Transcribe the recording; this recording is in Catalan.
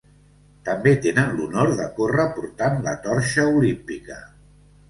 També tenen l'honor de córrer portant la torxa olímpica.